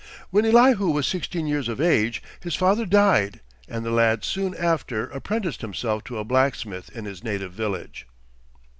When Elihu was sixteen years of age, his father died and the lad soon after apprenticed himself to a blacksmith in his native village.